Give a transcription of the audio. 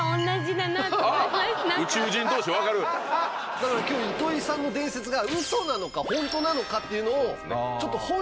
だから今日糸井さんの伝説がウソなのかホントなのかっていうのを。